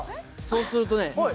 そうするとねどう？